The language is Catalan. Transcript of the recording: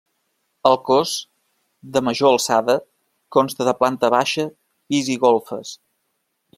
El cos de major alçada consta de planta baixa, pis i golfes.